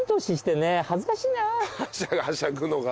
はしゃぐのが。